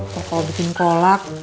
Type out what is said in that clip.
kalau bikin kolek